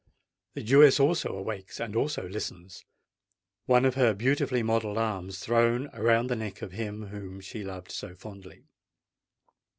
The Jewess also awakes—and also listens,—one of her beautifully modelled arms thrown around the neck of him whom she loved so fondly.